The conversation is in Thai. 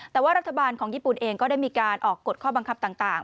แต่ว่ารัฐบาลของญี่ปุ่นเองก็ได้มีการออกกฎข้อบังคับต่าง